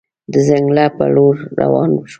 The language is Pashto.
د ځنګله په لور روان شوم.